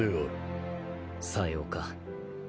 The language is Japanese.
さようか。